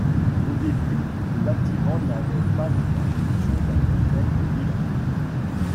Au début, le bâtiment n'avait pas la fonction d'un hôtel de ville.